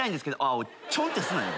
おいちょんってすなよ。